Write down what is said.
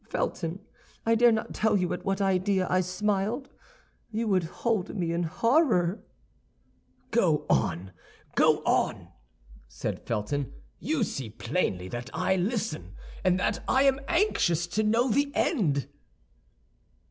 Felton, I dare not tell you at what idea I smiled; you would hold me in horror—" "Go on! go on!" said Felton; "you see plainly that I listen, and that I am anxious to know the end."